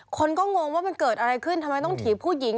คนก็งงว่ามันเกิดอะไรขึ้นทำไมต้องถีบผู้หญิง